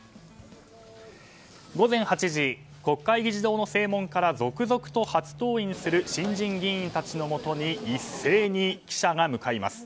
午前８時、国会議事堂の正門から続々と初登院する新人議員たちのもとに一斉に記者が向かいます。